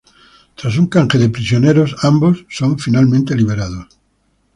Tras un canje de prisioneros, ambos son finalmente liberados.